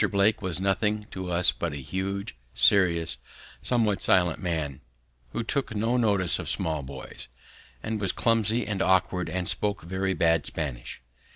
Blake was nothing to us but a huge, serious, somewhat silent man who took no notice of small boys, and was clumsy and awkward and spoke very bad Spanish.